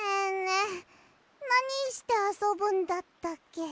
えなにしてあそぶんだったっけ？